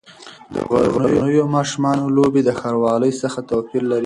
د غرنیو ماشومانو لوبې د ښاروالۍ څخه توپیر لري.